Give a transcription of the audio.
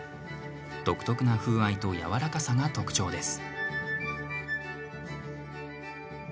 独特な風合いと柔らかさが特徴です。